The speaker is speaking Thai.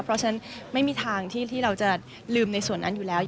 เพราะฉะนั้นไม่มีทางที่เราจะลืมในส่วนนั้นอยู่แล้ว